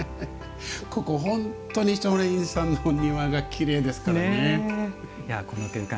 ここ、本当に青蓮院さんのお庭がきれいですからね。